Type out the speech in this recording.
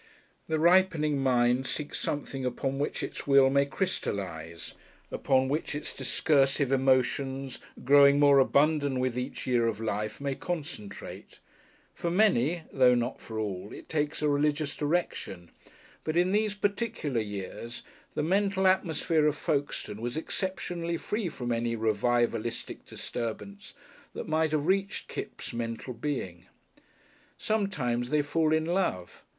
The ripening mind seeks something upon which its will may crystallise, upon which its discursive emotions, growing more abundant with each year of life, may concentrate. For many, though not for all, it takes a religious direction, but in those particular years the mental atmosphere of Folkestone was exceptionally free from any revivalistic disturbance that might have reached Kipps' mental being. Sometimes they fall in love.